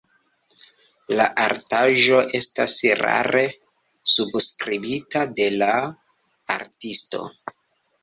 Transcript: La artaĵo estas rare subskribita de la artisto.